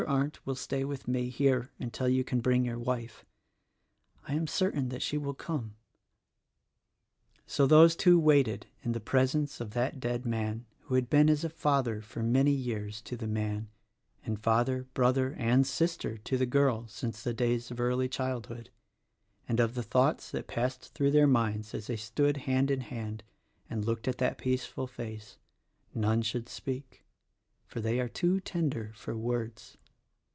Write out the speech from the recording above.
Arndt will stay with me here until you can bring your wife. I am certain that she will come." So those two waited in the presence of that dead man who had been as a father for many years to the man — and father, brother and sister to the girl since the days of early childhood; and of the thoughts that passed through their minds as they stood hand in hand and looked at that peace ful face, none should speak — for they are too tender for words.